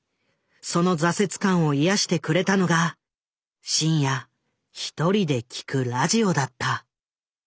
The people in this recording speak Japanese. その挫折感を癒やしてくれたのが深夜１人で聴くラジオだった。